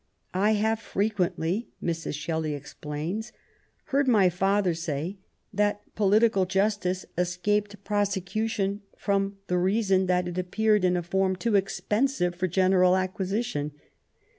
I have frequently/' Mrs. Shelley explains, ^' heard my father say that Political Justice escaped prosecution from the reason that it appeared in a form too expensive for general acquisition.